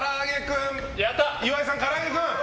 岩井さん、からあげクン！